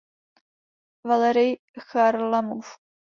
Valerij Charlamov.